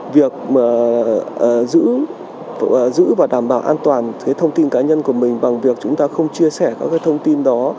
việc giữ và đảm bảo an toàn thông tin cá nhân của mình bằng việc chúng ta không chia sẻ các thông tin đó